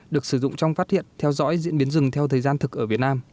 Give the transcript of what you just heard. được sử dụng trong phát hiện theo dõi diễn biến rừng theo thời gian thực ở việt nam